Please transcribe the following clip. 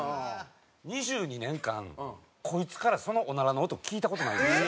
２２年間こいつからそのオナラの音聞いた事ないんですよ。